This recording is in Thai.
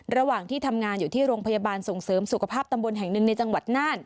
ระหว่างที่ทำงานอยู่ที่โรงพยาบาลส่งเสริมสุขภาพตำบลแห่งหนึ่งในจังหวัดน่าน